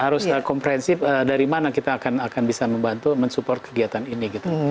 harus komprensif dari mana kita akan bisa membantu mensupport kegiatan ini gitu